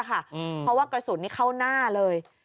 เพราะว่ากระสุนเข้าหน้าเลย